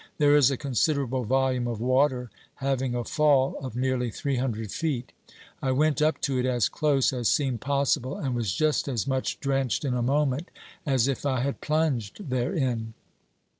There is a considerable volume of water, having a fall of nearly three hundred feet. I went up to it as close as seemed possible, and was just as much drenched in a moment as if I had plunged therein.